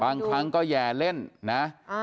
บางครั้งก็แย่เล่นนะ